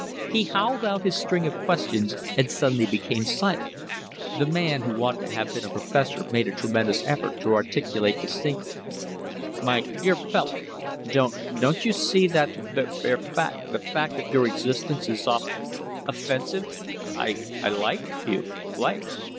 He howled out his string of questions, and suddenly became silent. The man who ought to have been a professor made a tremendous effort to articulate distinctly "My dear fellow, don't don't you see that the ba bare fac the fact of your existence is off offensive. ... I I like you like